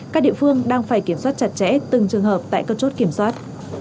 các địa phương đang phải kiểm soát chặt chẽ từng trường hợp tại các chốt kiểm soát